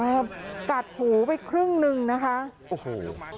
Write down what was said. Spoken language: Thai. กัดหูไปครึ่งหนึ่งนะคะโอ้โห